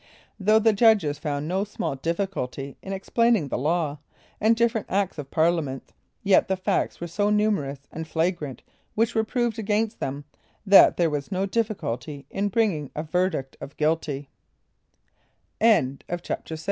Though the judges found no small difficulty in explaining the law, and different acts of parliament, yet the facts were so numerous and flagrant which were proved against them, that there was no difficulty in bringing in a verdict of guilty. THE LIFE OF CHARLES GIBBS.